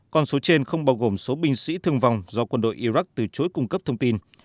con số trên không bao gồm số binh sĩ thương vong do quân đội iraq từ chối cung cấp thông tin